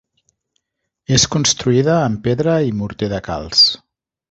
És construïda en pedra i morter de calç.